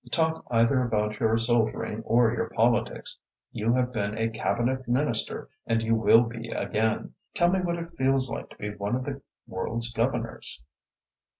Talk either about your soldiering or your politics. You have been a Cabinet Minister and you will be again. Tell me what it feels like to be one of the world's governors?"